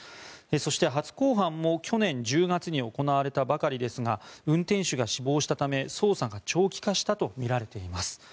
そして初公判も去年１０月に行われたばかりですが運転手が死亡したため捜査が長期化したとみられています。